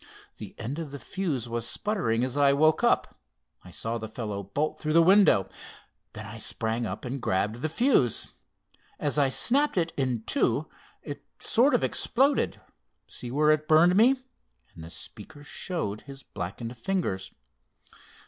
The end of the fuse was spluttering as I woke up. I saw the fellow bolt through the window. Then I sprang up and grabbed the fuse. As I snapped it in two, it sort of exploded. See where it burned me?" and the speaker showed his blackened fingers.